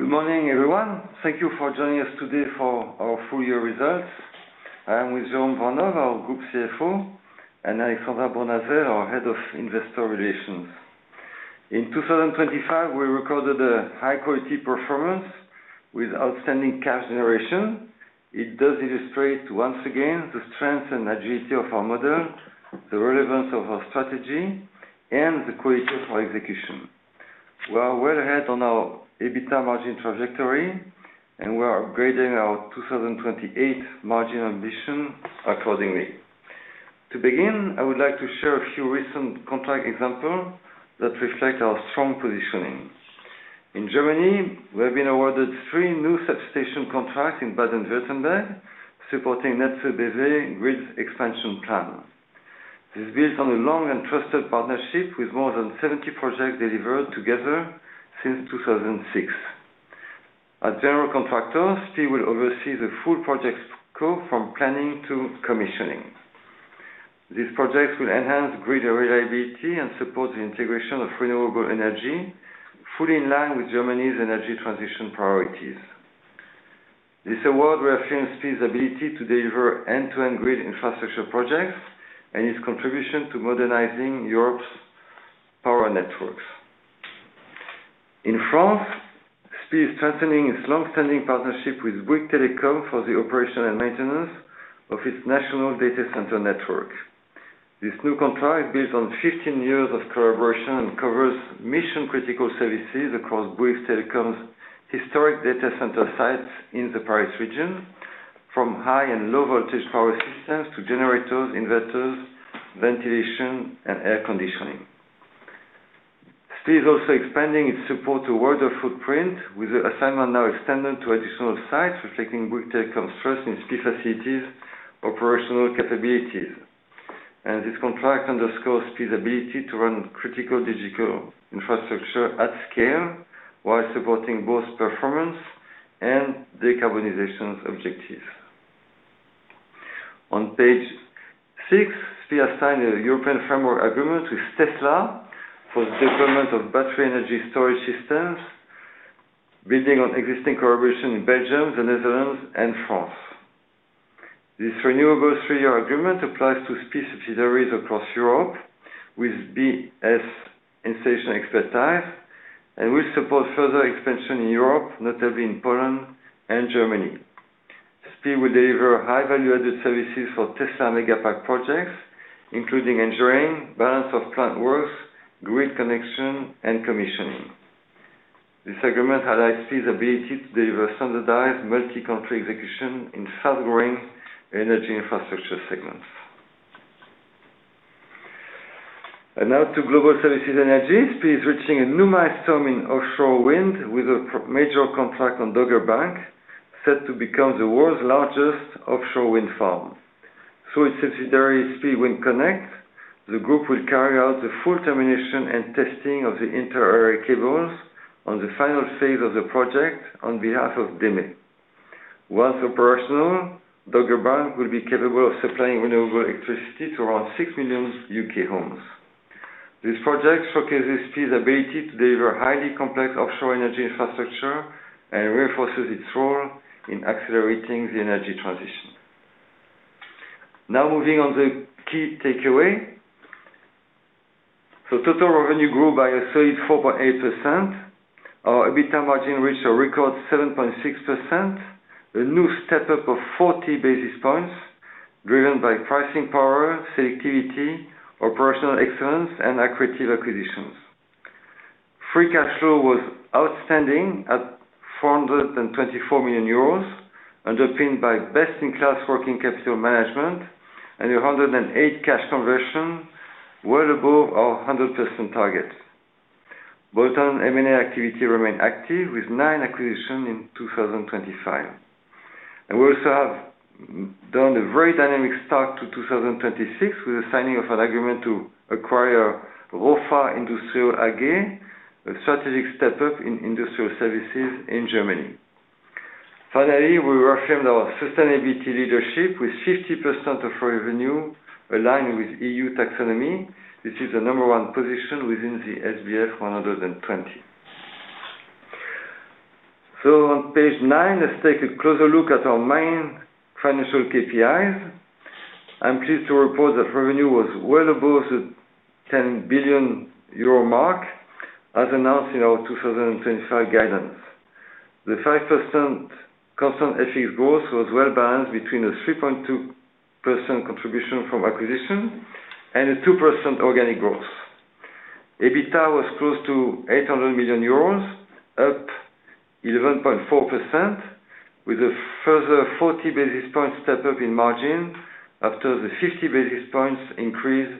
Good morning, everyone. Thank you for joining us today for our full year results. I am with Jérôme Vanhove, our Group Chief Financial Officer, and Alexandra Bournazel, our Head of Investor Relations. In 2025, we recorded a high quality performance with outstanding cash generation. It does illustrate once again the strength and agility of our model, the relevance of our strategy, and the quality of our execution. We are well ahead on our EBITDA margin trajectory. We are upgrading our 2028 margin ambition accordingly. To begin, I would like to share a few recent contract example that reflect our strong positioning. In Germany, we have been awarded three new substation contracts in Baden-Württemberg, supporting Netze BW grid expansion plan. This builds on a long and trusted partnership with more than 70 projects delivered together since 2006. As general contractors, we will oversee the full project scope from planning to commissioning. These projects will enhance grid reliability and support the integration of renewable energy, fully in line with Germany's energy transition priorities. This award reaffirms SPIE's ability to deliver end-to-end grid infrastructure projects and its contribution to modernizing Europe's power networks. In France, SPIE is strengthening its long-standing partnership with Bouygues Telecom for the operation and maintenance of its national data center network. This new contract builds on 15 years of collaboration and covers mission-critical services across Bouygues Telecom's historic data center sites in the Paris region, from high and low voltage power systems to generators, investors, ventilation, and air conditioning. SPIE is also expanding its support to world footprint, with the assignment now extended to additional sites, reflecting Bouygues Telecom's trust in SPIE Facilities' operational capabilities. This contract underscores SPIE's ability to run critical digital infrastructure at scale while supporting both performance and decarbonization objectives. On page six, SPIE has signed a European framework agreement with Tesla for the deployment of battery energy storage systems, building on existing collaboration in Belgium, the Netherlands, and France. This renewable three-years agreement applies to SPIE subsidiaries across Europe with BESS installation expertise and will support further expansion in Europe, notably in Poland and Germany. SPIE will deliver high value-added services for Tesla Megapack projects, including engineering, Balance of Plant works, grid connection, and commissioning. This agreement highlights SPIE's ability to deliver standardized multi-country execution in fast-growing energy infrastructure segments. Now to Global Services Energy. SPIE is reaching a new milestone in offshore wind with a major contract on Dogger Bank, set to become the world's largest offshore wind farm. Through its subsidiary, SPIE Wind Connect, the group will carry out the full termination and testing of the inter-array cables on the final phase of the project on behalf of Dime. Once operational, Dogger Bank will be capable of supplying renewable electricity to around 6 million U.K. homes. This project showcases SPIE's ability to deliver highly complex offshore energy infrastructure and reinforces its role in accelerating the energy transition. Moving on the key takeaway. Total revenue grew by a solid 4.8%. Our EBITDA margin reached a record 7.6%, a new step up of 40 basis points, driven by pricing power, selectivity, operational excellence, and accretive acquisitions. Free cash flow was outstanding at 424 million euros, underpinned by best-in-class working capital management and 108% cash conversion, well above our 100% target. Bolt-on M&A activity remained active with nine acquisitions in 2025. We also have done a very dynamic start to 2026, with the signing of an agreement to acquire ROFA Industrial AG, a strategic step up in industrial services in Germany. Finally, we reaffirmed our sustainability leadership with 50% of revenue aligned with EU Taxonomy. This is a number one position within the SBF 120. On page nine, let's take a closer look at our main financial KPIs. I'm pleased to report that revenue was well above the 10 billion euro mark, as announced in our 2025 guidance. The 5% constant currency growth was well balanced between a 3.2% contribution from acquisition and a 2% organic growth. EBITDA was close to 800 million euros, up 11.4% with a further 40 basis points step up in margin after the 50 basis points increase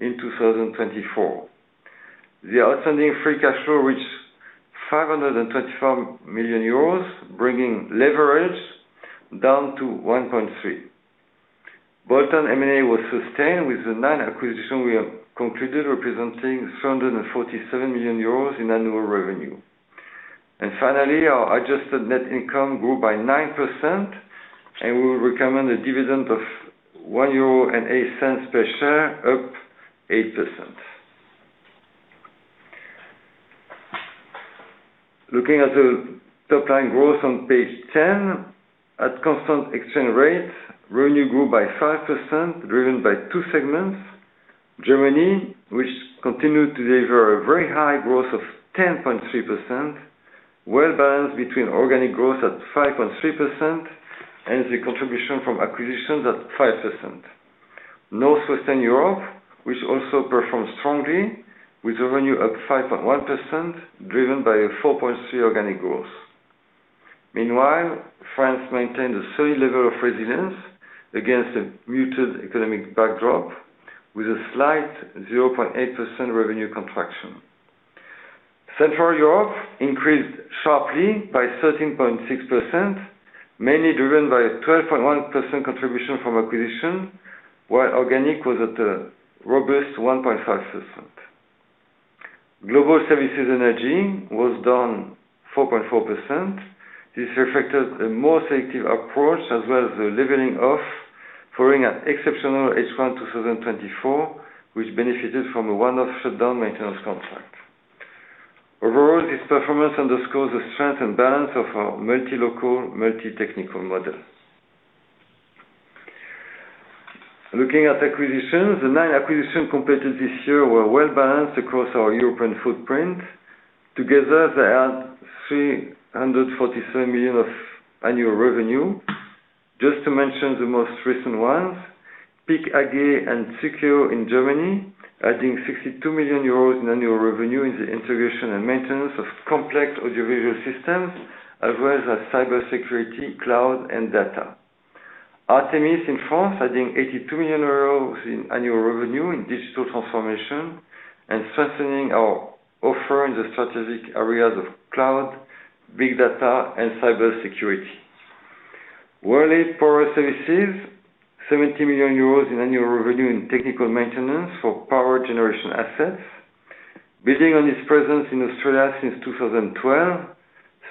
in 2024. The outstanding free cash flow reached 524 million euros, bringing leverage down to 1.3. Bolt-on M&A was sustained with the nine acquisitions we have concluded representing 247 million euros in annual revenue. Finally, our adjusted net income grew by 9%, and we will recommend a dividend of 1.08 euro per share, up 8%. Looking at the top line growth on page 10, at constant exchange rate, revenue grew by 5%, driven by two segments. Germany, which continued to deliver a very high growth of 10.3%, well balanced between organic growth at 5.3% and the contribution from acquisitions at 5%. North-Western Europe, which also performed strongly with revenue up 5.1%, driven by a 4.3% organic growth. Meanwhile, France maintained a steady level of resilience against a muted economic backdrop with a slight 0.8% revenue contraction. Central Europe increased sharply by 13.6%, mainly driven by a 12.1% contribution from acquisition, while organic was at a robust 1.5%. Global Services Energy was down 4.4%. This reflected a more selective approach as well as the leveling off following an exceptional H1 2024, which benefited from a one-off shutdown maintenance contract. Overall, this performance underscores the strength and balance of our multi-local, multi-technical model. Looking at acquisitions, the nine acquisitions completed this year were well balanced across our European footprint. Together, they add 347 million of annual revenue. Just to mention the most recent ones, Peak AG and Secio in Germany, adding 62 million euros in annual revenue in the integration and maintenance of complex audiovisual systems, as well as cybersecurity, cloud, and data. Artemys in France, adding 82 million euros in annual revenue in digital transformation and strengthening our offer in the strategic areas of cloud, big data, and cybersecurity. Worley Power Services, 70 million euros in annual revenue in technical maintenance for power generation assets. Building on its presence in Australia since 2012,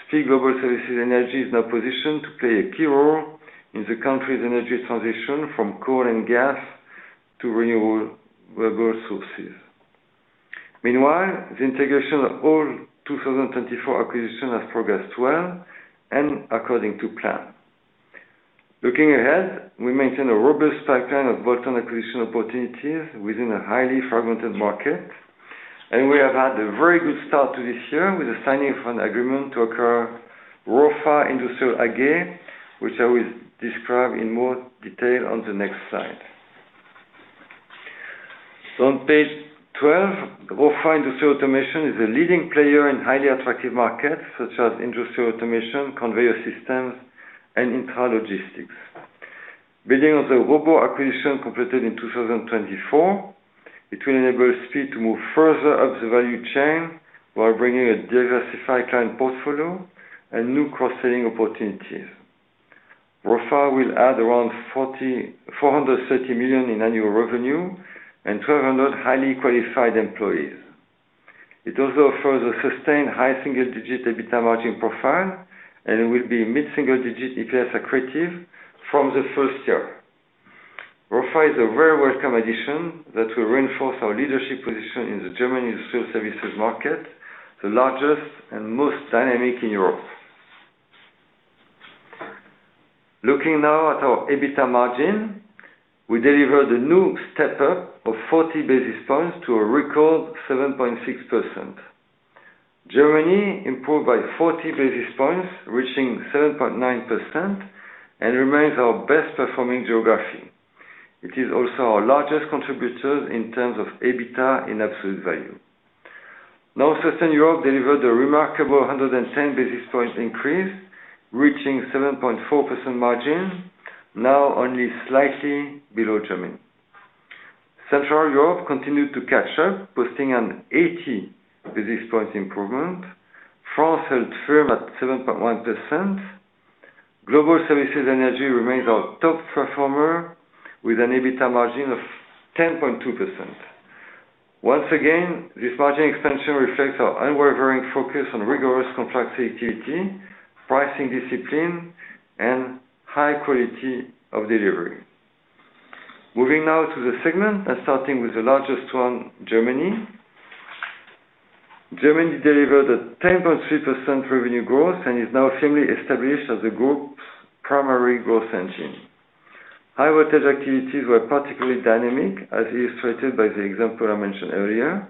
SPIE Global Services Energy is now positioned to play a key role in the country's energy transition from coal and gas to renewable resources. Meanwhile, the integration of all 2024 acquisitions has progressed well and according to plan. Looking ahead, we maintain a robust pipeline of bolt-on acquisition opportunities within a highly fragmented market. We have had a very good start to this year with the signing of an agreement to acquire ROFA Industrial AG, which I will describe in more detail on the next slide. On page 12, ROFA Industrial Automation is a leading player in highly attractive markets such as industrial automation, conveyor systems, and intralogistics. Building on the Robur acquisition completed in 2024, it will enable SPIE to move further up the value chain while bringing a diversified client portfolio and new cross-selling opportunities. ROFA will add around 430 million in annual revenue and 1,200 highly qualified employees. It also offers a sustained high single-digit EBITDA margin profile, and it will be mid-single digit EPS accretive from the first year. ROFA is a very welcome addition that will reinforce our leadership position in the German industrial services market, the largest and most dynamic in Europe. Looking now at our EBITDA margin, we delivered a new step up of 40 basis points to a record 7.6%. Germany improved by 40 basis points, reaching 7.9% and remains our best performing geography. It is also our largest contributor in terms of EBITDA in absolute value. North-Western Europe delivered a remarkable 110 basis point increase, reaching 7.4% margin, now only slightly below Germany. Central Europe continued to catch up, posting an 80 basis point improvement. France held firm at 7.1%. Global Services Energy remains our top performer with an EBITDA margin of 10.2%. Once again, this margin expansion reflects our unwavering focus on rigorous contract selectivity, pricing discipline, and high quality of delivery. Moving now to the segment and starting with the largest one, Germany. Germany delivered a 10.3% revenue growth and is now firmly established as the group's primary growth engine. High voltage activities were particularly dynamic, as illustrated by the example I mentioned earlier.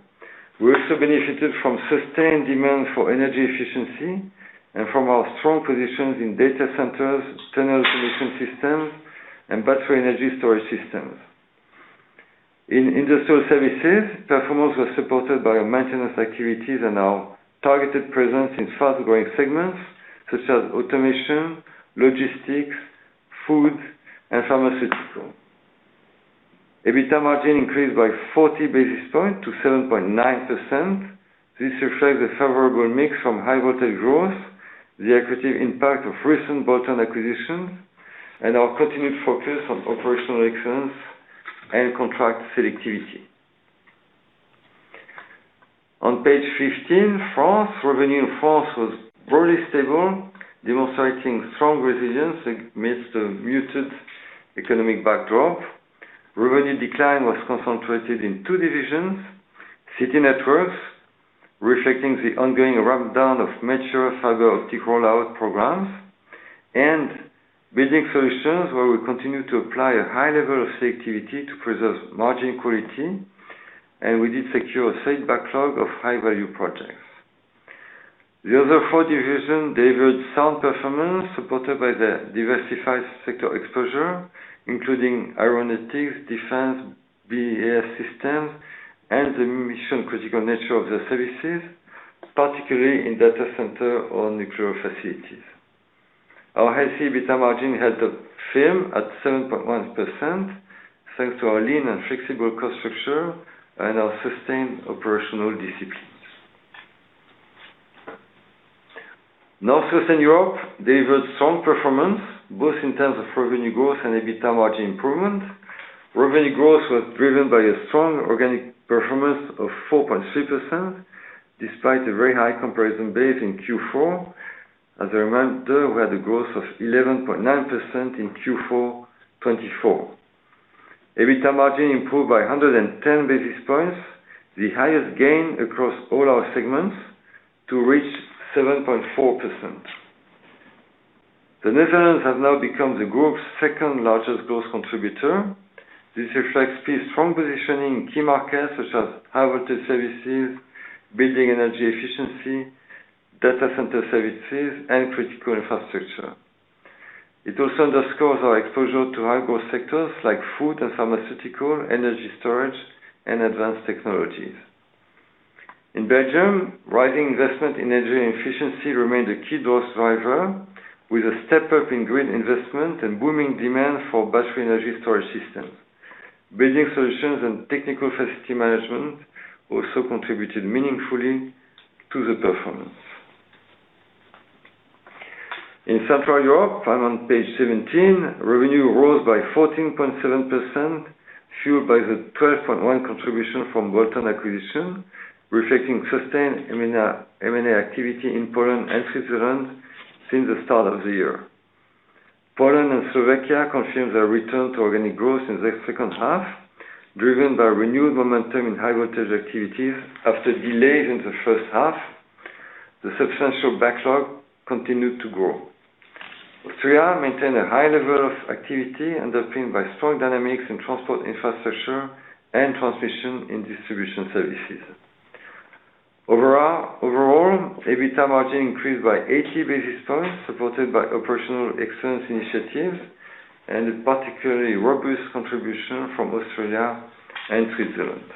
We also benefited from sustained demand for energy efficiency and from our strong positions in data centers, tunnel emission systems, and battery energy storage systems. In industrial services, performance was supported by our maintenance activities and our targeted presence in fast-growing segments such as automation, logistics, food, and pharmaceutical. EBITDA margin increased by 40 basis points to 7.9%. This reflects the favorable mix from high voltage growth, the accretive impact of recent bolt-on acquisitions, and our continued focus on operational excellence and contract selectivity. On page 15, France. Revenue in France was broadly stable, demonstrating strong resilience amidst a muted economic backdrop. Revenue decline was concentrated in two divisions. CityNetworks, reflecting the ongoing rundown of mature fiber optic rollout programs and building solutions where we continue to apply a high level of selectivity to preserve margin quality, and we did secure a safe backlog of high value projects. The other four division delivered sound performance supported by the diversified sector exposure, including aeronautics, defense, BAS systems, and the mission-critical nature of the services, particularly in data center or nuclear facilities. Our high EBITDA margin held firm at 7.1%, thanks to our lean and flexible cost structure and our sustained operational disciplines. North-Western Europe delivered strong performance both in terms of revenue growth and EBITDA margin improvement. Revenue growth was driven by a strong organic performance of 4.3%, despite a very high comparison base in Q4. As a reminder, we had a growth of 11.9% in Q4 2024. EBITDA margin improved by 110 basis points, the highest gain across all our segments to reach 7.4%. The Netherlands has now become the group's second-largest growth contributor. This reflects SPIE's strong positioning in key markets such as high voltage services, building energy efficiency, data center services, and critical infrastructure. It also underscores our exposure to high growth sectors like food and pharmaceutical, energy storage, and advanced technologies. In Belgium, rising investment in energy efficiency remained a key growth driver, with a step-up in grid investment and booming demand for battery energy storage systems. Building solutions and technical facility management also contributed meaningfully to the performance. In Central Europe, I'm on page 17, revenue rose by 14.7%, fueled by the 12.1% contribution from Bolt-on acquisition, reflecting sustained M&A activity in Poland and Switzerland since the start of the year. Poland and Slovakia confirmed their return to organic growth in the second half, driven by renewed momentum in high voltage activities after delays in the first half. The substantial backlog continued to grow. Austria maintained a high level of activity underpinned by strong dynamics in transport infrastructure and transmission in distribution services. Overall, EBITDA margin increased by 80 basis points, supported by operational excellence initiatives and a particularly robust contribution from Austria and Switzerland.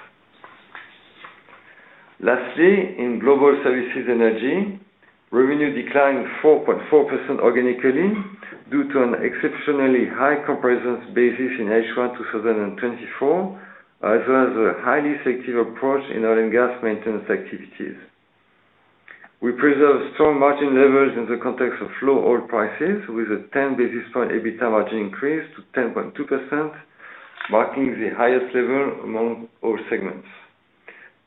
Lastly, in Global Services Energy, revenue declined 4.4% organically due to an exceptionally high comparisons basis in H1 2024, as well as a highly selective approach in oil and gas maintenance activities. We preserve strong margin levels in the context of low oil prices, with a 10 basis point EBITDA margin increase to 10.2%, marking the highest level among oil segments.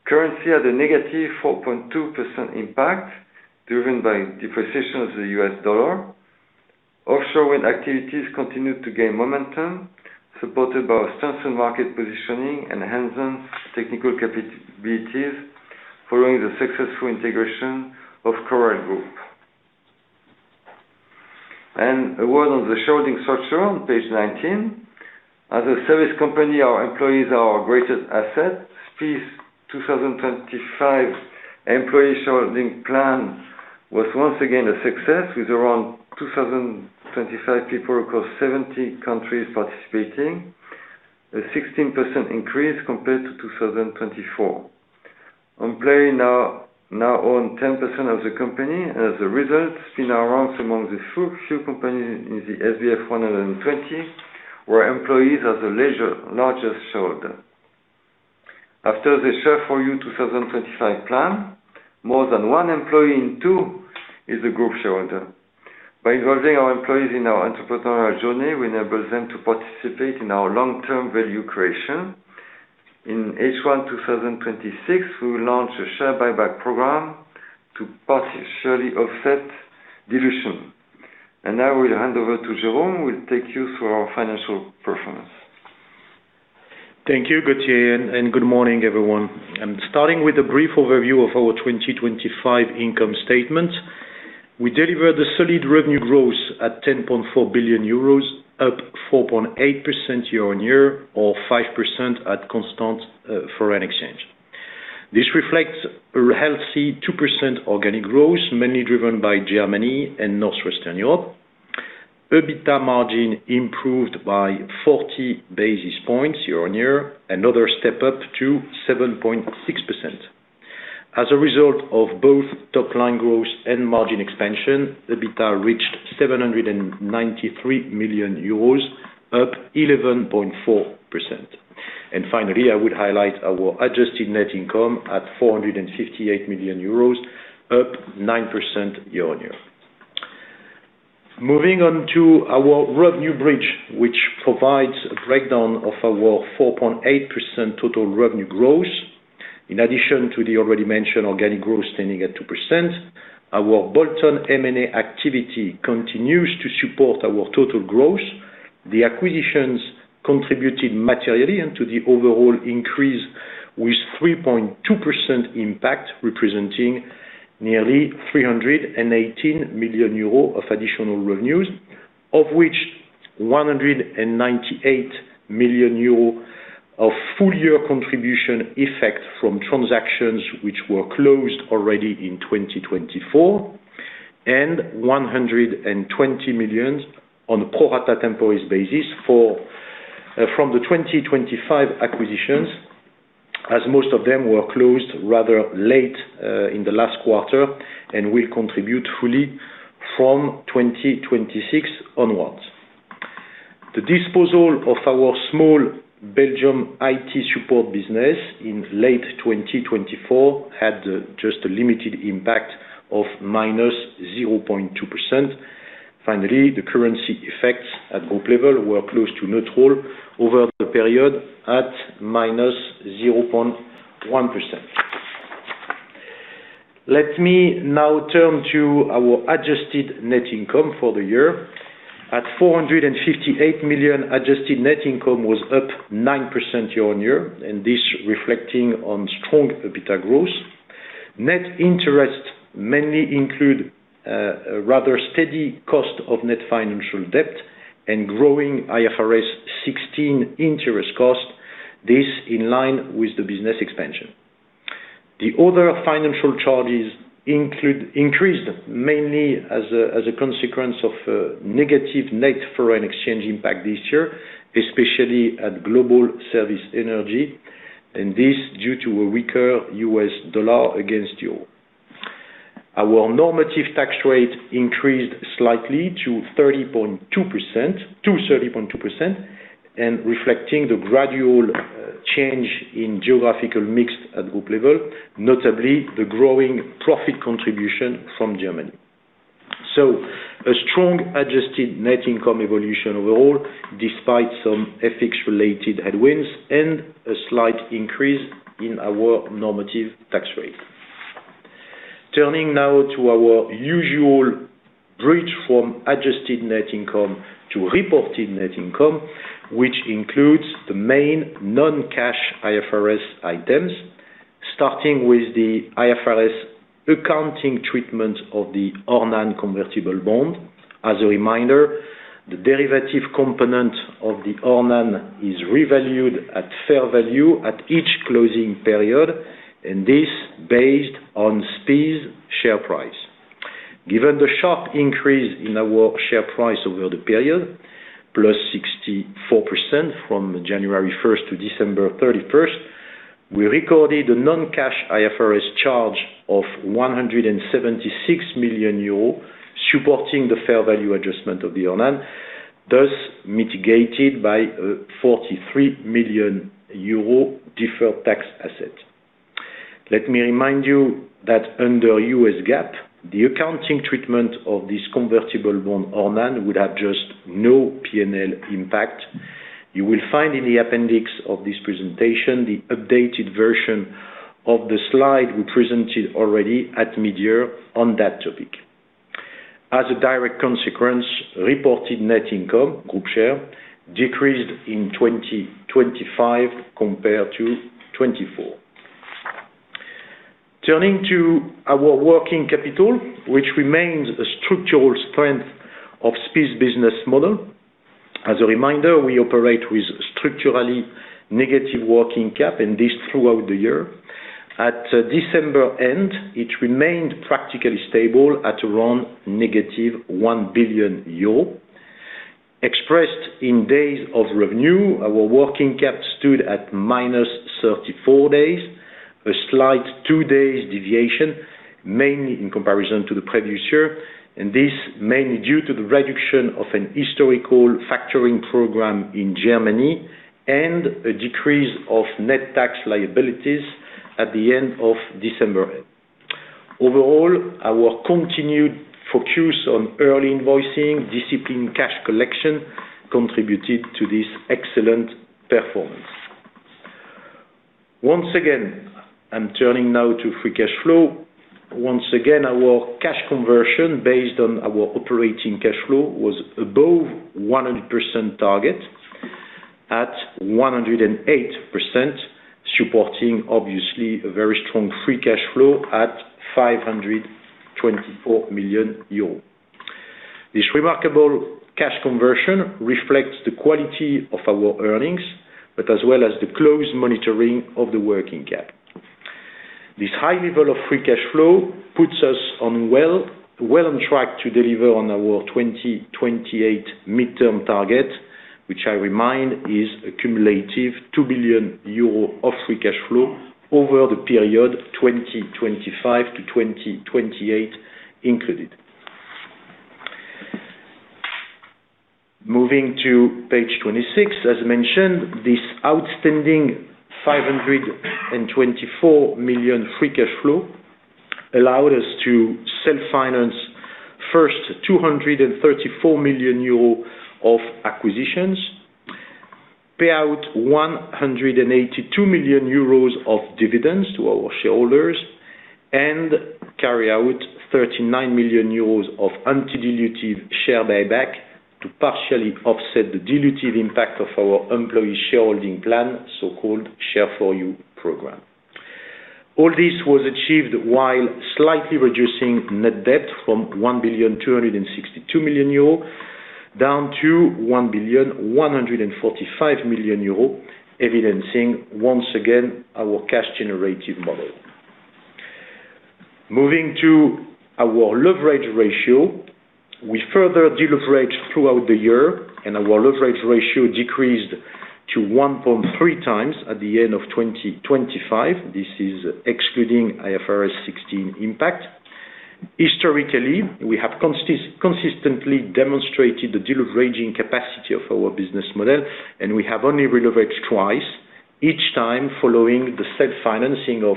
Currency had a negative 4.2% impact, driven by depreciation of the US dollar. Offshore wind activities continued to gain momentum, supported by our strengthened market positioning and enhanced technical capabilities following the successful integration of Correll Group. A word on the shareholding structure on page 19. As a service company, our employees are our greatest asset. SPIE's 2025 employee shareholding plan was once again a success, with around 2,025 people across 70 countries participating, a 16% increase compared to 2024. Employees now own 10% of the company. As a result, SPIE now ranks among the few companies in the SBF 120, where employees are the largest shareholder. After the SHARE FOR YOU 2025 plan, more than one employee in two is a group shareholder. By involving our employees in our entrepreneurial journey, we enable them to participate in our long-term value creation. In H1 2026, we will launch a share buyback program to partially offset dilution. Now I will hand over to Jérôme, who will take you through our financial performance. Thank you, Gauthier, and good morning, everyone. I'm starting with a brief overview of our 2025 income statement. We delivered a solid revenue growth at 10.4 billion euros, up 4.8% year-on-year or 5% at constant foreign exchange. This reflects a healthy 2% organic growth, mainly driven by Germany and North-Western Europe. EBITDA margin improved by 40 basis points year-on-year, another step up to 7.6%. As a result of both top-line growth and margin expansion, EBITDA reached 793 million euros, up 11.4%. Finally, I would highlight our adjusted net income at 458 million euros, up 9% year-on-year. Moving on to our revenue bridge, which provides a breakdown of our 4.8% total revenue growth. In addition to the already mentioned organic growth standing at 2%, our Bolt-on M&A activity continues to support our total growth. The acquisitions contributed materially into the overall increase, with 3.2% impact, representing nearly 318 million euros of additional revenues, of which 198 million euros of full year contribution effect from transactions which were closed already in 2024, and 120 million on pro rata temporis basis from the 2025 acquisitions, as most of them were closed rather late in the last quarter and will contribute fully from 2026 onwards. The disposal of our small Belgium IT support business in late 2024 had just a limited impact of -0.2%. The currency effects at group level were close to neutral over the period at minus 0.1%. Let me now turn to our adjusted net income for the year. At 458 million, adjusted net income was up 9% year-on-year, This reflecting on strong EBITDA growth. Net interest mainly include a rather steady cost of net financial debt and growing IFRS 16 interest cost. This in line with the business expansion. The other financial charges increased mainly as a consequence of negative net foreign exchange impact this year, especially at Global Services Energy, This due to a weaker US dollar against euro. Our normative tax rate increased slightly to 30.2% reflecting the gradual change in geographical mix at group level, notably the growing profit contribution from Germany. A strong adjusted net income evolution overall, despite some FX-related headwinds and a slight increase in our normative tax rate. Turning now to our usual bridge from adjusted net income to reported net income, which includes the main non-cash IFRS items, starting with the IFRS accounting treatment of the ORNANE convertible bond. As a reminder, the derivative component of the ORNANE is revalued at fair value at each closing period, and this based on SPIE's share price. Given the sharp increase in our share price over the period, +64% from January 1st-December 31st, we recorded a non-cash IFRS charge of 176 million euros, supporting the fair value adjustment of the ORNANE, thus mitigated by a 43 million euro deferred tax asset. Let me remind you that under US GAAP, the accounting treatment of this convertible bond ORNANE would have just no P&L impact. You will find in the appendix of this presentation the updated version of the slide we presented already at midyear on that topic. A direct consequence, reported net income group share decreased in 2025 compared to 2024. Turning to our working capital, which remains a structural strength of SPIE business model. As a reminder, we operate with structurally negative working cap, and this throughout the year. At December end, it remained practically stable at around negative 1 billion euro. Expressed in days of revenue, our working cap stood at -34 days, a slight two days deviation, mainly in comparison to the previous year, and this mainly due to the reduction of an historical factoring program in Germany and a decrease of net tax liabilities at the end of December. Overall, our continued focus on early invoicing, disciplined cash collection contributed to this excellent performance. Once again, I'm turning now to free cash flow. Once again, our cash conversion based on our operating cash flow was above 100% target at 108%, supporting obviously a very strong free cash flow at 524 million euros. This remarkable cash conversion reflects the quality of our earnings, but as well as the close monitoring of the working cap. This high level of free cash flow puts us well on track to deliver on our 2028 midterm target, which I remind is a cumulative 2 billion euro of free cash flow over the period 2025 to 2028 included. Moving to page 26. As mentioned, this outstanding 524 million free cash flow allowed us to self-finance first 234 million euros of acquisitions, pay out 182 million euros of dividends to our shareholders, and carry out 39 million euros of anti-dilutive share buyback to partially offset the dilutive impact of our employee shareholding plan, so-called SHARE FOR YOU program. All this was achieved while slightly reducing net debt from 1,262 million euro, down to 1,145 million euro, evidencing once again our cash generative model. Moving to our leverage ratio. We further deleveraged throughout the year, and our leverage ratio decreased to 1.3xs at the end of 2025. This is excluding IFRS 16 impact. Historically, we have consistently demonstrated the deleveraging capacity of our business model, and we have only releveraged twice, each time following the self-financing of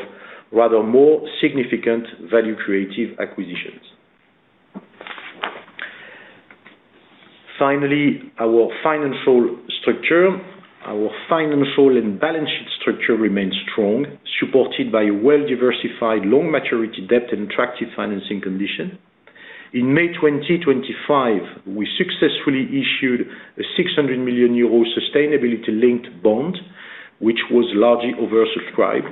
rather more significant value creative acquisitions. Finally, our financial structure. Our financial and balance sheet structure remains strong, supported by a well-diversified long maturity debt and attractive financing condition. In May 2025, we successfully issued a 600 million euro sustainability-linked bond, which was largely oversubscribed.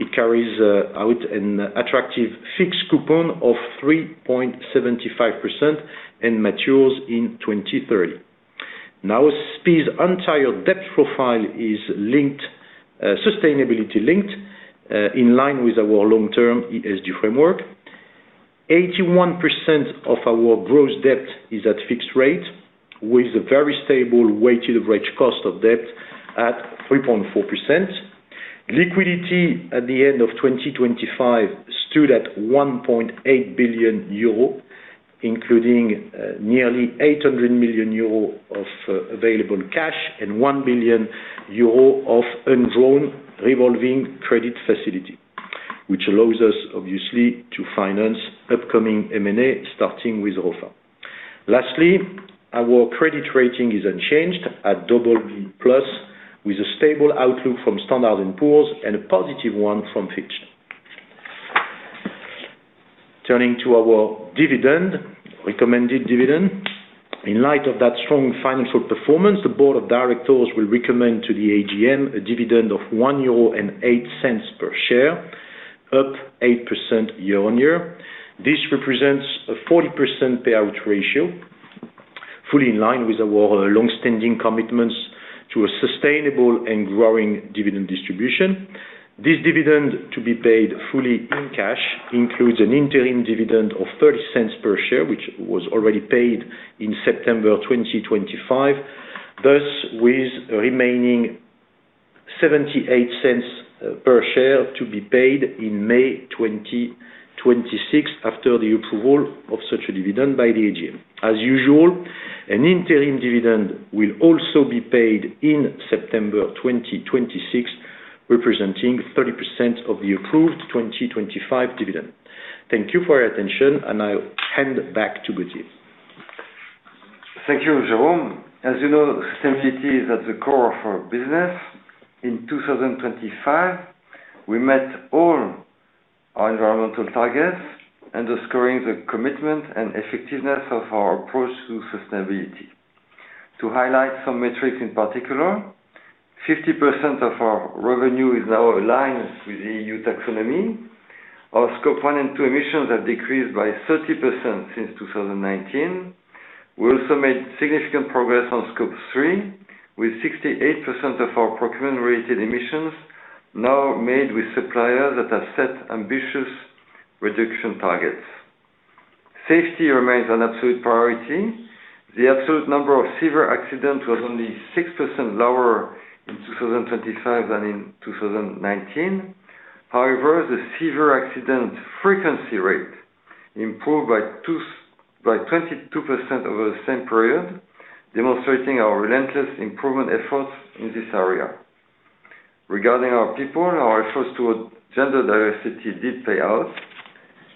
It carries out an attractive fixed coupon of 3.75% and matures in 2030. Now, SPIE's entire debt profile is linked, sustainability-linked, in line with our long-term ESG framework. 81% of our gross debt is at fixed rate, with a very stable weighted average cost of debt at 3.4%. Liquidity at the end of 2025 stood at 1.8 billion euro, including nearly 800 million euro of available cash and 1 billion euro of undrawn revolving credit facility, which allows us, obviously, to finance upcoming M&A, starting with ROFA. Our credit rating is unchanged at BB+, with a stable outlook from Standard & Poor's and a positive one from Fitch. Turning to our dividend, recommended dividend. In light of that strong financial performance, the board of directors will recommend to the AGM a dividend of 1.08 euro per share, up 8% year-on-year. This represents a 40% payout ratio, fully in line with our longstanding commitments to a sustainable and growing dividend distribution. This dividend to be paid fully in cash, includes an interim dividend of 0.30 per share, which was already paid in September 2025. Thus, with remaining 0.78 per share to be paid in May 2026 after the approval of such a dividend by the AGM. As usual, an interim dividend will also be paid in September 2026, representing 30% of the approved 2025 dividend. Thank you for your attention, I'll hand back to Gauthier. Thank you, Jérôme. As you know, sustainability is at the core of our business. In 2025, we met all our environmental targets, underscoring the commitment and effectiveness of our approach to sustainability. To highlight some metrics in particular, 50% of our revenue is now aligned with the EU Taxonomy. Our Scope 1 and 2 emissions have decreased by 30% since 2019. We also made significant progress on Scope 3, with 68% of our procurement-related emissions now made with suppliers that have set ambitious reduction targets. Safety remains an absolute priority. The absolute number of severe accidents was only 6% lower in 2025 than in 2019. However, the severe accident frequency rate improved by 22% over the same period, demonstrating our relentless improvement efforts in this area. Regarding our people, our efforts towards gender diversity did pay off.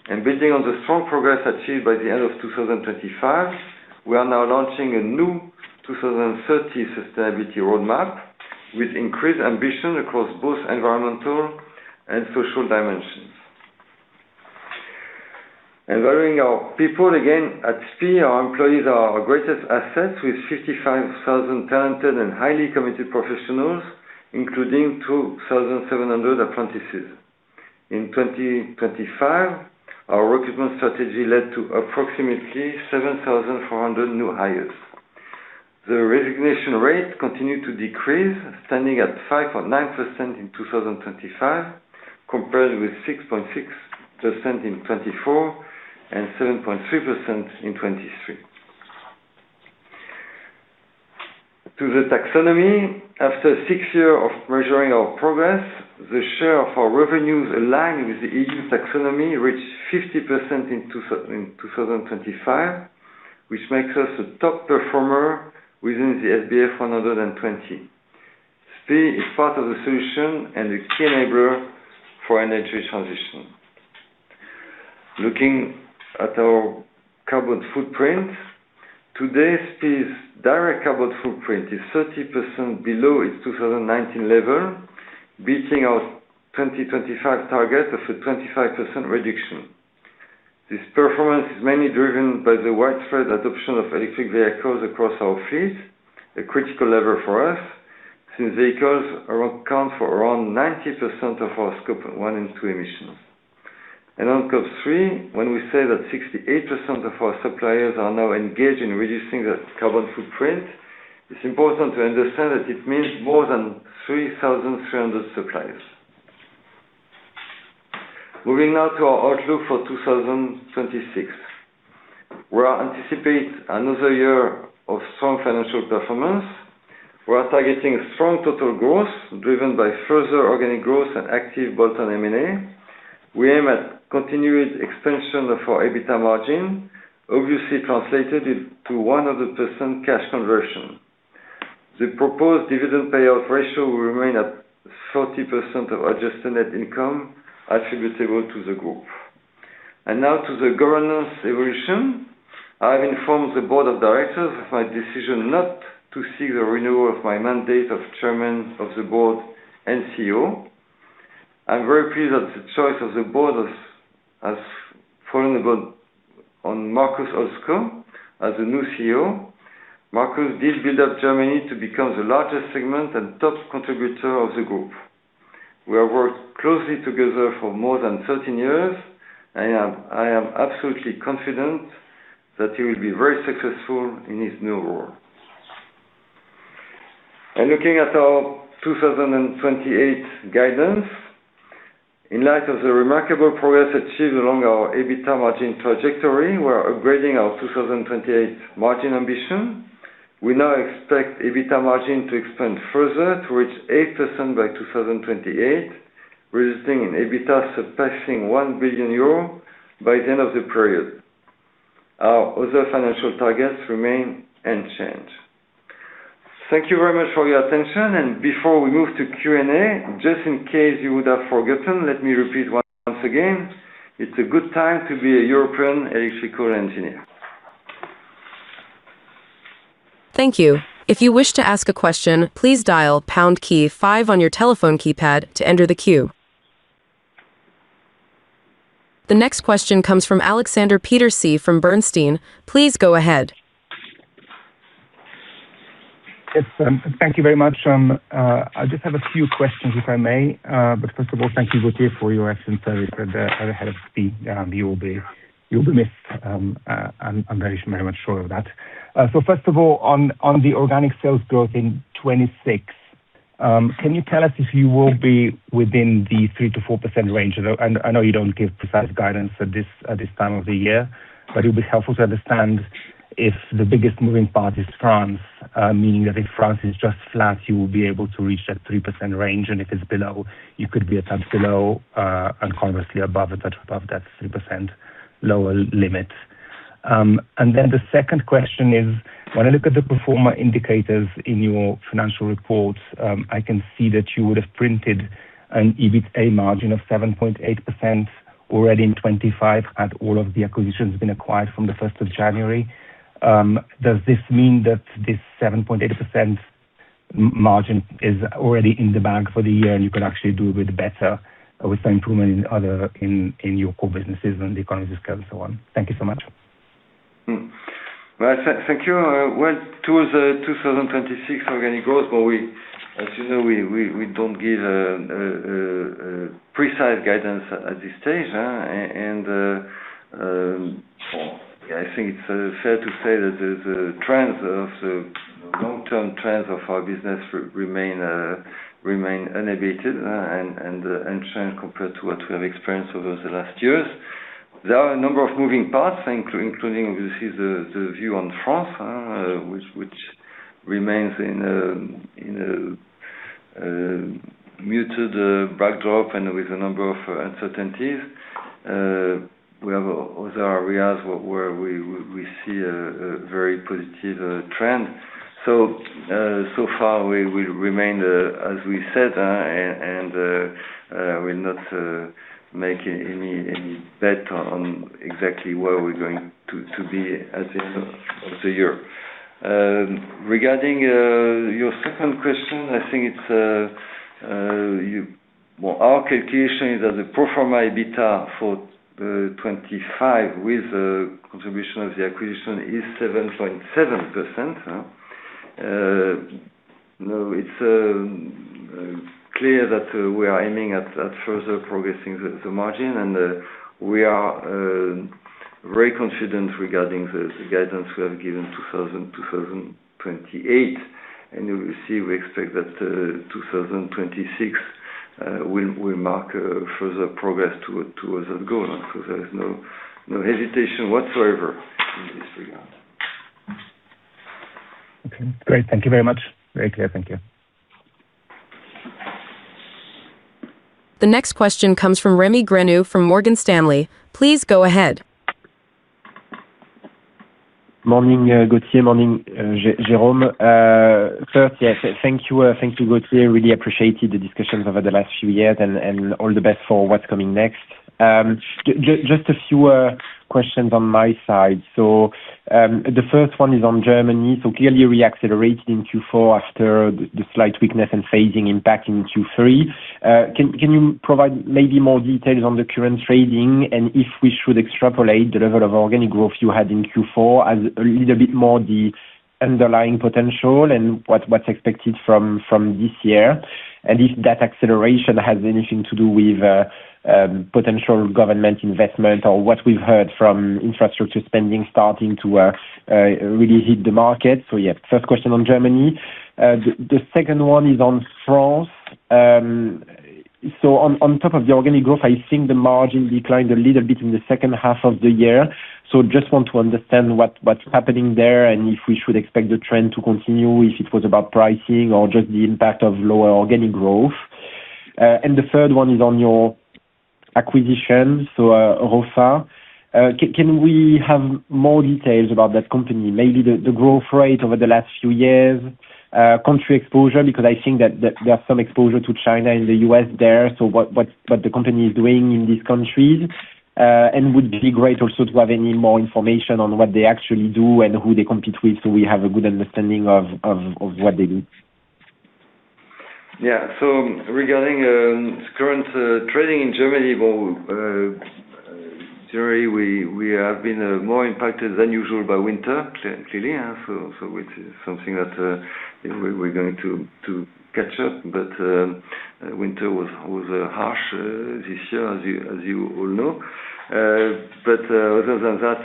Building on the strong progress achieved by the end of 2025, we are now launching a new 2030 sustainability roadmap with increased ambition across both environmental and social dimensions. Growing our people again, at SPIE, our employees are our greatest assets, with 55,000 talented and highly committed professionals, including 2,700 apprentices. In 2025, our recruitment strategy led to approximately 7,400 new hires. The resignation rate continued to decrease, standing at 5.9% in 2025, compared with 6.6% in 2024, and 7.3% in 2023. To the taxonomy. After six year of measuring our progress, the share of our revenues aligned with the EU Taxonomy reached 50% in 2025, which makes us a top performer within the SBF 120. SPIE is part of the solution and a key enabler for energy transition. Looking at our carbon footprint, today, SPIE's direct carbon footprint is 30% below its 2019 level, beating our 2025 target of a 25% reduction. This performance is mainly driven by the widespread adoption of electric vehicles across our fleet, a critical level for us, since vehicles count for around 90% of our Scope 1 and 2 emissions. On Scope 3, when we say that 68% of our suppliers are now engaged in reducing their carbon footprint, it's important to understand that it means more than 3,300 suppliers. Moving now to our outlook for 2026. We anticipate another year of strong financial performance. We are targeting strong total growth driven by further organic growth and active Bolt-on M&A. We aim at continued expansion of our EBITDA margin, obviously translated into 100% cash conversion. The proposed dividend payout ratio will remain at 40% of adjusted net income attributable to the group. Now to the governance evolution. I have informed the Board of Directors of my decision not to seek the renewal of my mandate of Chairman of the Board and Chief Executive Officer. I'm very pleased that the choice of the board has fallen about on Markus Hochgesang as the new Chief Executive Officer. Markus did build up Germany to become the largest segment and top contributor of the group. We have worked closely together for more than 13 years, I am absolutely confident that he will be very successful in his new role. Looking at our 2028 guidance. In light of the remarkable progress achieved along our EBITDA margin trajectory, we are upgrading our 2028 margin ambition. We now expect EBITDA margin to expand further to reach 8% by 2028, resulting in EBITDA surpassing 1 billion euro by the end of the period. Our other financial targets remain unchanged. Thank you very much for your attention. Before we move to Q&A, just in case you would have forgotten, let me repeat once again, it's a good time to be a European electrical engineer. Thank you. If you wish to ask a question, please dial pound key 5 on your telephone keypad to enter the queue. The next question comes from Aleksander Peterc from Bernstein. Please go ahead. Yes, thank you very much. I just have a few questions, if I may. But first of all, thank you, Gauthier, for your excellent service as the head of SPIE. You will be missed. I'm very much sure of that. So first of all, on the organic sales growth in 2026, can you tell us if you will be within the 3%-4% range? Although I know you don't give precise guidance at this time of the year, but it'll be helpful to understand if the biggest moving part is France. Meaning that if France is just flat, you will be able to reach that 3% range, if it's below, you could be a touch below, conversely above it, above that 3% lower limit. The second question is, when I look at the pro forma indicators in your financial reports, I can see that you would have printed an EBITA margin of 7.8% already in 2025, had all of the acquisitions been acquired from the first of January. Does this mean that this 7.8% margin is already in the bag for the year, you can actually do a bit better with the improvement in other, in your core businesses and the economies scale and so on? Thank you so much. Well, thank you. Well, towards the 2026 organic growth, well, we, as you know, we don't give precise guidance at this stage, and yeah, I think it's fair to say that the trends of the long-term trends of our business remain unabated and unchanged compared to what we have experienced over the last years. There are a number of moving parts, including obviously the view on France, which remains in a muted backdrop and with a number of uncertainties. We have other areas where we see a very positive trend. So far we will remain as we said, and we'll not make any bet on exactly where we're going to be at the end of the year. Regarding your second question, I think it's, Well, our calculation is that the pro forma EBITDA for 25 with the contribution of the acquisition is 7.7%. No, it's clear that we are aiming at further progressing the margin, and we are very confident regarding the guidance we have given 2028. You will see, we expect that 2026 we mark further progress towards that goal, so there is no hesitation whatsoever in this regard. Okay, great. Thank you very much. Very clear. Thank you. The next question comes from Rémi Grenu from Morgan Stanley. Please go ahead. Morning, Gauthier. Morning, Jérôme. Yes, thank you. Thank you, Gauthier. Really appreciated the discussions over the last few years and all the best for what's coming next. Just a few questions on my side. The first one is on Germany. Clearly re-accelerated in Q4 after the slight weakness and phasing impact in Q3. Can you provide maybe more details on the current trading? If we should extrapolate the level of organic growth you had in Q4 as a little bit more the underlying potential and what's expected from this year? If that acceleration has anything to do with potential government investment or what we've heard from infrastructure spending starting to really hit the market. Yeah, first question on Germany. The second one is on France. So on top of the organic growth, I think the margin declined a little bit in the second half of the year. Just want to understand what's happening there, and if we should expect the trend to continue, if it was about pricing or just the impact of lower organic growth. The third one is on your acquisitions, so, ROFA. Can we have more details about that company, maybe the growth rate over the last few years, country exposure, because I think that there are some exposure to China and the U.S. there, so what the company is doing in these countries, and would be great also to have any more information on what they actually do and who they compete with, so we have a good understanding of what they do. Yeah. Regarding current trading in Germany, well, generally, we have been more impacted than usual by winter clearly. Which is something that we're going to catch up. Winter was harsh this year, as you all know. Other than that,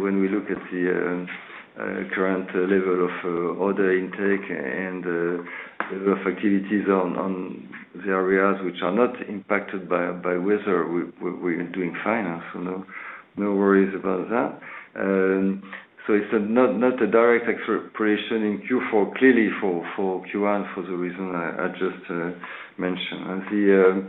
when we look at the current level of order intake and level of activities on the areas which are not impacted by weather, we're doing fine, so no worries about that. It's not a direct extrapolation in Q4, clearly for Q1, for the reason I just mentioned.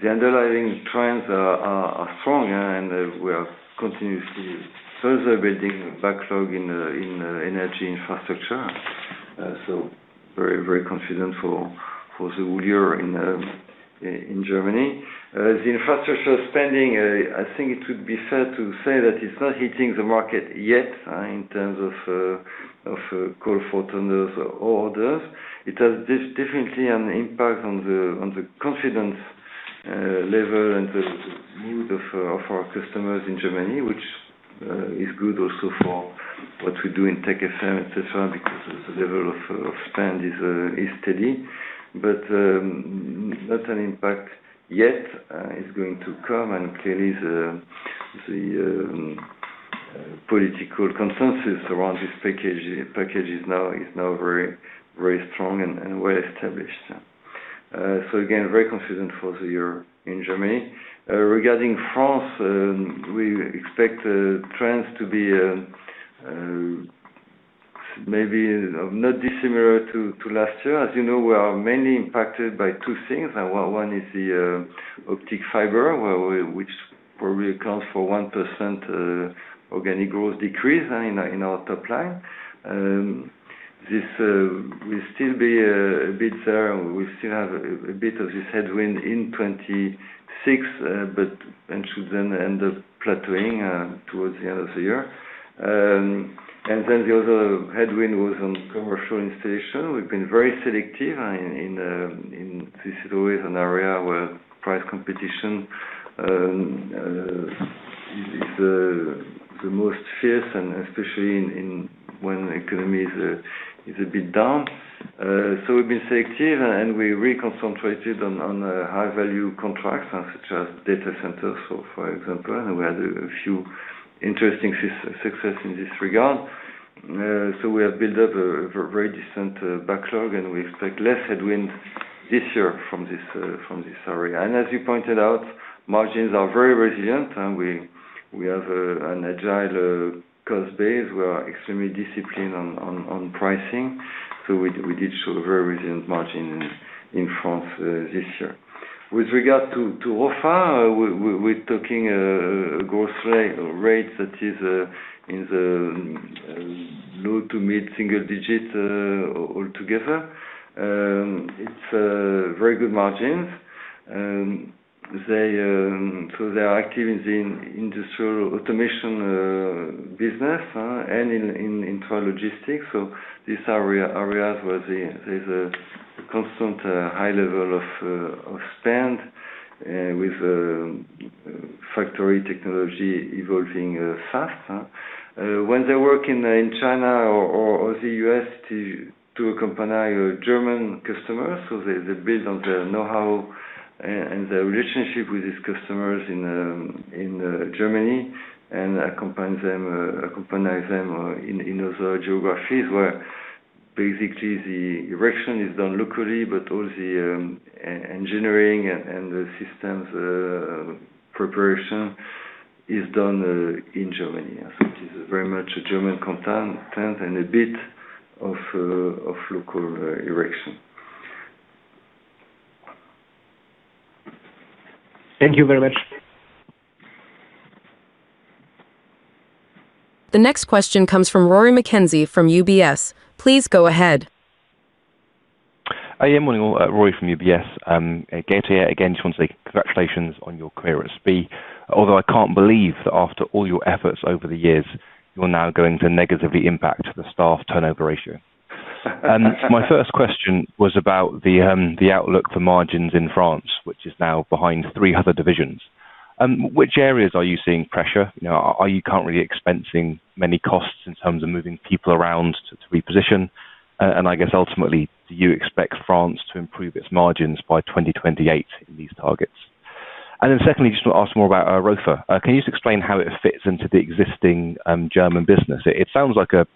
The underlying trends are strong, and we are continuously further building backlog in energy infrastructure. Very, very confident for the whole year in Germany. The infrastructure spending, I think it would be fair to say that it's not hitting the market yet, in terms of call for tenders or orders. It has definitely an impact on the confidence level and the mood of our customers in Germany, which is good also for what we do in TechFM, etc., because the level of spend is steady. Not an impact yet. It's going to come, and clearly the political consensus around this package is now very, very strong and well established. Again, very confident for the year in Germany. Regarding France, we expect trends to be maybe not dissimilar to last year. As you know, we are mainly impacted by two things. One is the optic fiber, which probably accounts for 1% organic growth decrease in our top line. This will still be a bit, we still have a bit of this headwind in 2026, and should then end up plateauing towards the end of the year. The other headwind was on commercial installation. We've been very selective in. This is always an area where price competition is the most fierce and especially when the economy is a bit down. We've been selective and we reconcentrated on high value contracts such as data centers, for example, and we had a few interesting success in this regard. We have built up a very decent backlog, and we expect less headwind this year from this area. As you pointed out, margins are very resilient, and we have an agile cost base. We are extremely disciplined on pricing. We did show very resilient margin in France this year. With regard to ROFA, we're talking a growth rate that is in the low to mid single digits all together. It's very good margins. They are active in the industrial automation business and in intralogistics. These are areas where there's a constant, high level of spend, with factory technology evolving fast, huh. When they work in China or the U.S. to accompany a German customer, they build on the know-how and the relationship with these customers in Germany and accompany them in other geographies where basically the erection is done locally, but all the engineering and the systems preparation is done in Germany. I think it's very much a German content and a bit of local erection. Thank you very much. The next question comes from Rory McKenzie from UBS. Please go ahead. Hi, good morning all. Rory from UBS. Again, just want to say congratulations on your clearance fee. Although I can't believe that after all your efforts over the years, you're now going to negatively impact the staff turnover ratio. My first question was about the outlook for margins in France, which is now behind three other divisions. Which areas are you seeing pressure? You know, are you currently expensing many costs in terms of moving people around to reposition? I guess ultimately, do you expect France to improve its margins by 2028 in these targets? Secondly, just want to ask more about ROFA. Can you just explain how it fits into the existing German business? It sounds like a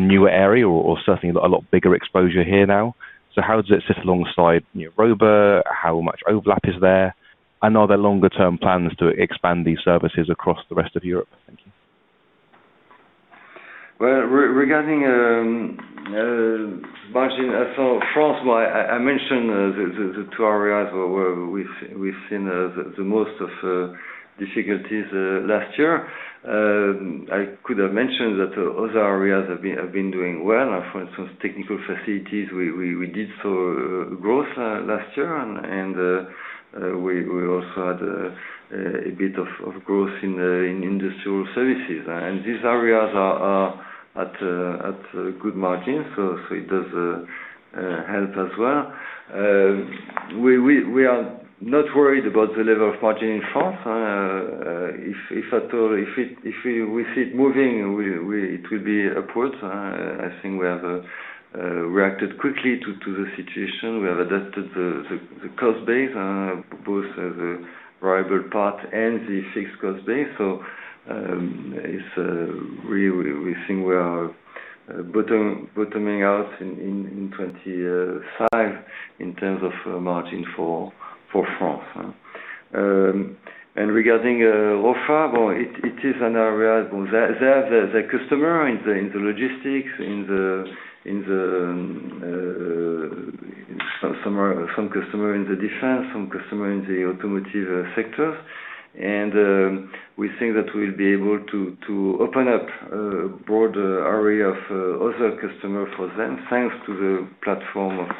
new area or certainly a lot bigger exposure here now. How does it sit alongside, you know, ROFA? How much overlap is there? Are there longer term plans to expand these services across the rest of Europe? Thank you. Regarding margin, so France, I mentioned the two areas where we've seen the most of difficulties last year. I could have mentioned that other areas have been doing well. For instance, technical facilities, we did so growth last year and we also had a bit of growth in industrial services. These areas are at good margin, so it does help as well. We are not worried about the level of margin in France. If at all, if we see it moving, it will be upward. I think we have reacted quickly to the situation. We have adapted the cost base, both the variable part and the fixed cost base. We think we are bottoming out in 25 in terms of margin for France. Regarding ROFA, it is an area. They have the customer in the logistics, some customer in the defense, some customer in the automotive sectors. We think that we'll be able to open up a broader area of other customers for them, thanks to the platform of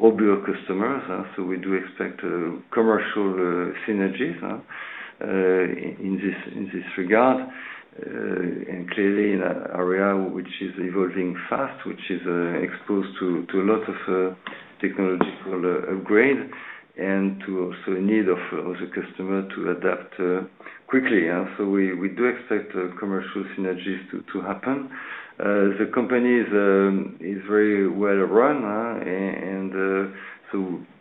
ROFA customers. We do expect commercial synergies in this regard. Clearly in an area which is evolving fast, which is exposed to a lot of technological upgrade, and to also a need of other customer to adapt quickly. We do expect commercial synergies to happen. The company is very well run.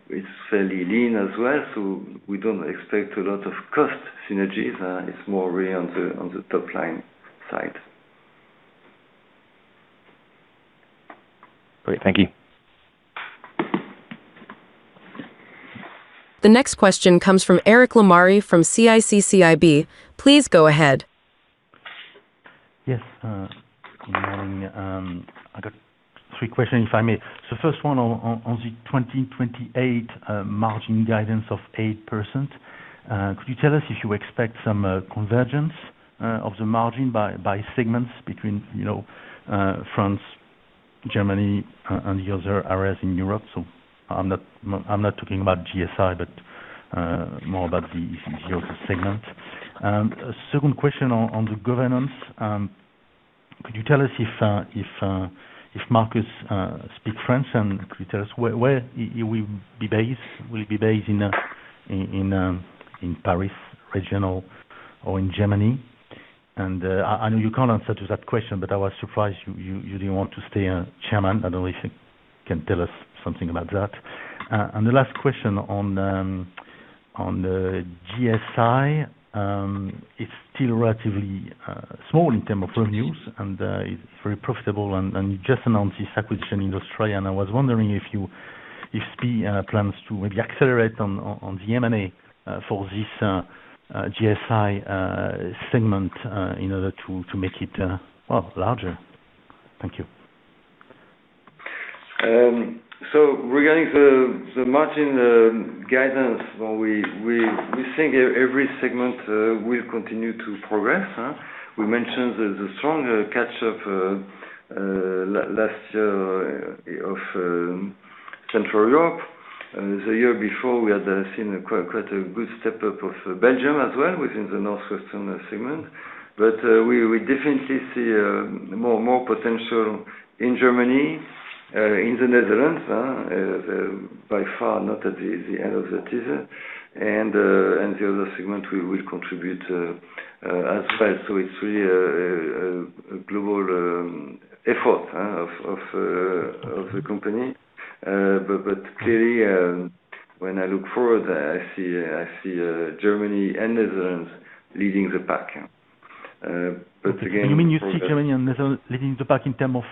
It's fairly lean as well, so we don't expect a lot of cost synergies. It's more really on the top line side. Great. Thank you. The next question comes from Eric Lemarié from CICCIB. Please go ahead. Yes. Good morning. I got three questions, if I may. First one on the 2028 margin guidance of 8%, could you tell us if you expect some convergence of the margin by segments between, you know, France, Germany, and the other areas in Europe? I'm not talking about GSI, but more about the other segments. Second question on the governance, could you tell us if Markus speak French and could you tell us where he will be based? Will he be based in Paris region or in Germany? I know you can't answer to that question, but I was surprised you didn't want to stay as chairman. I don't know if you can tell us something about that. The last question on GSI. It's still relatively small in terms of revenues, and it's very profitable, and you just announced this acquisition in Australia, and I was wondering if SPIE plans to maybe accelerate on the M&A for this GSI segment in order to make it well, larger. Thank you. Regarding the margin guidance, well we think every segment will continue to progress, huh? We mentioned the strong catch up last year of Central Europe. The year before we had seen a good step up of Belgium as well, within the Northwestern segment. We definitely see potential in Germany in the Netherlands, huh? By far not at the end of the teaser. The other segment we will contribute as well. It's really a global effort, huh, of the company. Clearly, when I look forward, I see Germany and Netherlands leading the pack. Again. You mean you see Germany and Netherlands leading the pack in term of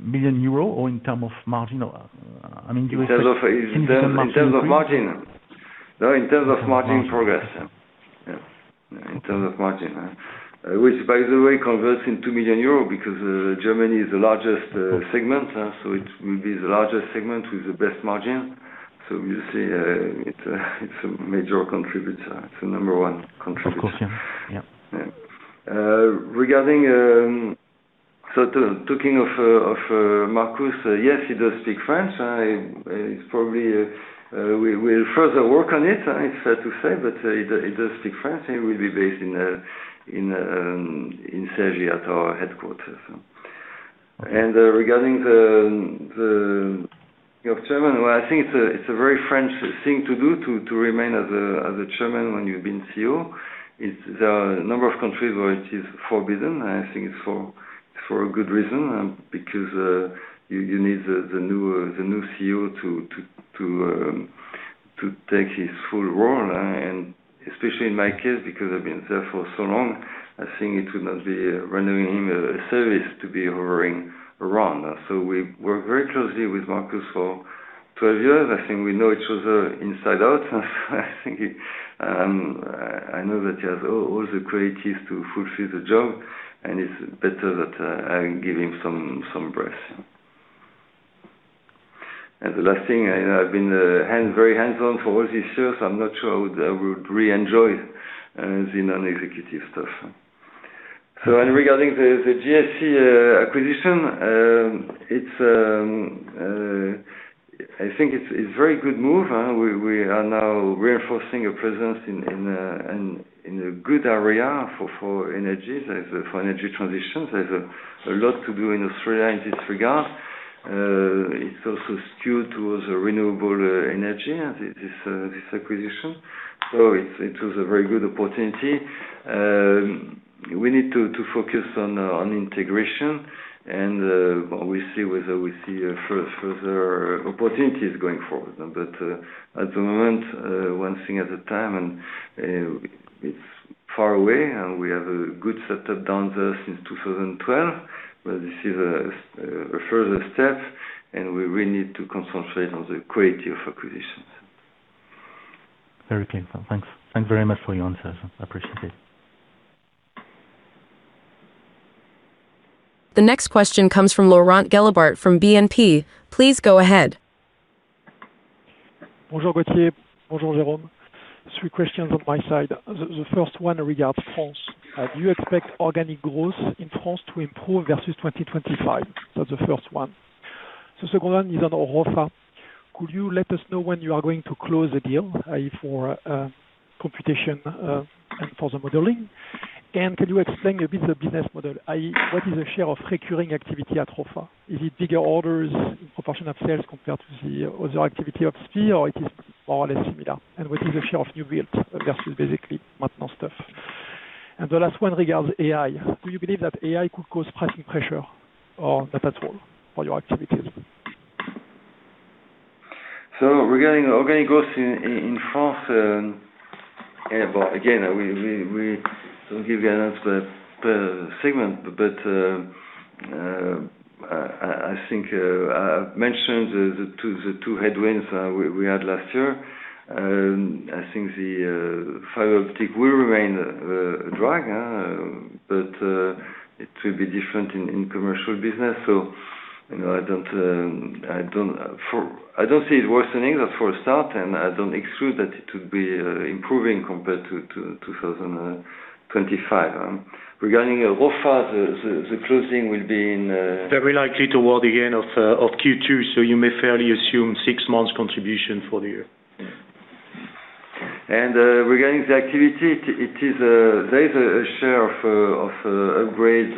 million EUR or in term of margin? I mean, do you expect? In terms of margin. No, in terms of margin progress. Yeah. In terms of margin. Which by the way converts in 2 million euros, because Germany is the largest segment. It will be the largest segment with the best margin. You see, it's a major contributor. It's the number one contributor. Of course. Yeah. Yeah. Yeah. Regarding, talking of Markus. Yes, he does speak French. It's probably, we'll further work on it's fair to say. He does speak French, and will be based in Cergy at our headquarters. Regarding the, you know, chairman, well, I think it's a very French thing to do to remain as a chairman when you've been Chief Executive Officer. There are a number of countries where it is forbidden. I think it's for a good reason, because you need the new Chief Executive Officer to take his full role. Especially in my case, because I've been there for so long, I think it would not be rendering him a service to be hovering around. We worked very closely with Markus for 12 years. I think we know each other inside out. I think, I know that he has all the qualities to fulfill the job, and it's better that I give him some breath. The last thing, I've been very hands-on for all these years. I'm not sure I would re-enjoy the non-executive stuff. Regarding the GSC acquisition, I think it's a very good move. We are now reinforcing a presence in a good area for energies, as for energy transitions. There's a lot to do in Australia in this regard. It's also skewed towards renewable energy, this acquisition. It was a very good opportunity. We need to focus on integration and we'll see whether we see further opportunities going forward. At the moment, one thing at a time, and it's far away. We have a good setup down there since 2012. This is a further step, and we really need to concentrate on the quality of acquisitions. Very clear. Thanks. Thanks very much for your answers. I appreciate it. The next question comes from Laurent Gelebart, from BNP. Please go ahead. Bonjour, Gauthier. Bonjour, Jérôme. Three questions on my side. The first one regards France. Do you expect organic growth in France to improve versus 2025? That's the first one. The second one is on ROFA. Could you let us know when you are going to close the deal, i.e., for computation and for the modeling? Could you explain a bit the business model, i.e., what is the share of recurring activity at ROFA? Is it bigger orders in proportion of sales compared to the other activity of SPIE, or it is more or less similar? What is the share of new builds versus basically maintenance stuff? The last one regards AI. Do you believe that AI could cause pricing pressure or not at all for your activities? Regarding organic growth in France, well, again, we don't give you an answer per segment. I think I've mentioned the two headwinds we had last year. I think the fiber optic will remain a drag, but it will be different in commercial business. You know, I don't see it worsening that's for a start, and I don't exclude that it will be improving compared to 2025. Regarding ROFA, the closing will be in. Very likely toward the end of Q2, so you may fairly assume six months contribution for the year. Regarding the activity, it is there is a share of upgrades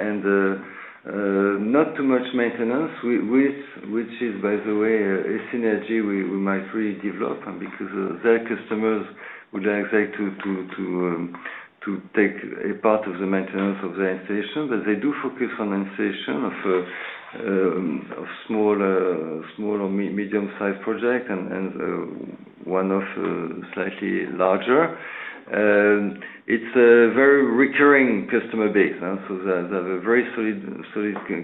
and not too much maintenance. Which is, by the way, a synergy we might really develop because their customers would like to take a part of the maintenance of the installation. They do focus on installation of small or medium-sized projects and one of slightly larger. It's a very recurring customer base. They have a very solid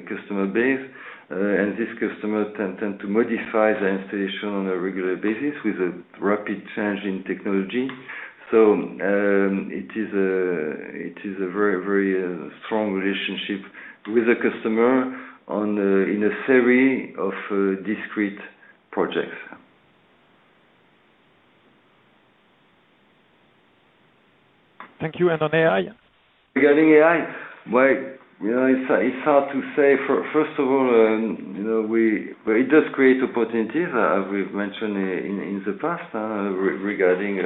customer base. These customers tend to modify their installation on a regular basis with a rapid change in technology. It is a very, very strong relationship with the customer in a series of discrete projects. Thank you. On AI? Regarding AI, well, you know, it's hard to say. First of all, you know, it does create opportunities, as we've mentioned in the past, regarding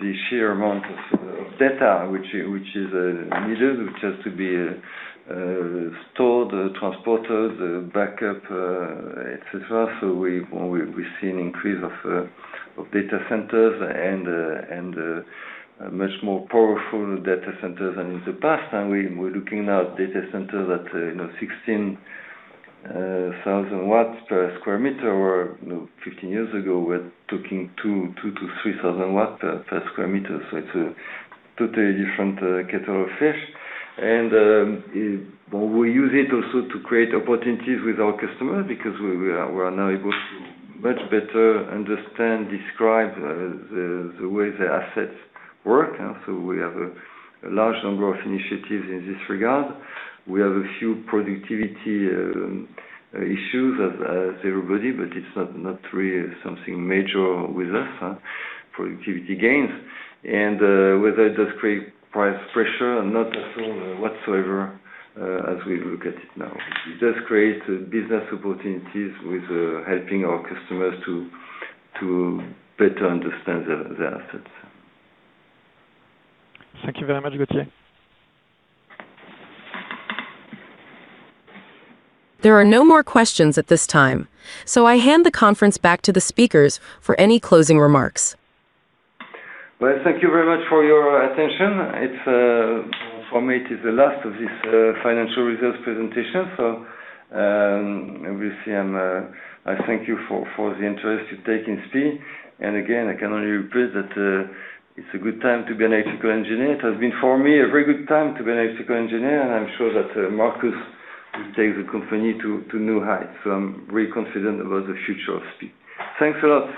the sheer amount of data which is needed, which has to be stored, transported, backed up, etc. We've seen increase of data centers and much more powerful data centers than in the past. We're looking at data centers at, you know, 16,000 W per sq m. Where, you know, 15 years ago, we're talking 2,000-3,000 W per sq m. It's a totally different kettle of fish. Well, we use it also to create opportunities with our customers because we are now able to much better understand, describe the way the assets work. We have a large number of initiatives in this regard. We have a few productivity issues as everybody, but it's not really something major with us, productivity gains. Whether it does create price pressure or not at all whatsoever, as we look at it now. It does create business opportunities with helping our customers to better understand their assets. Thank you very much, Gauthier. There are no more questions at this time, so I hand the conference back to the speakers for any closing remarks. Well, thank you very much for your attention. It's for me, it is the last of this financial results presentation. Obviously I'm, I thank you for the interest you take in SPIE. Again, I can only repeat that it's a good time to be an electrical engineer. It has been, for me, a very good time to be an electrical engineer, and I'm sure that Markus will take the company to new heights. I'm really confident about the future of SPIE. Thanks a lot.